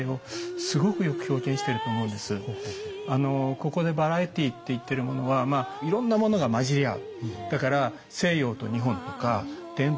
ここでバラエティーって言ってるものはいろんなものが混じり合う。